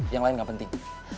yang lain gak penting